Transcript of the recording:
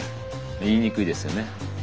言いにくいですよね。